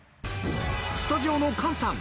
スタジオの菅さん